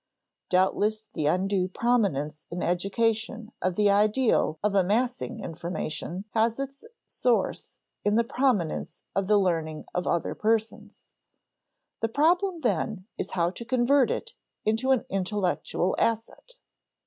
Doubtless the undue prominence in education of the ideal of amassing information (ante, p. 52) has its source in the prominence of the learning of other persons. The problem then is how to convert it into an intellectual asset.